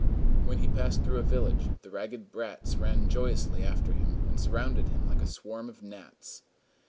When he passed through a village, the ragged brats ran joyously after him, and surrounded him like a swarm of gnats.